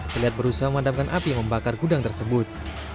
terlihat berusaha memadamkan api membakar gudang tersebut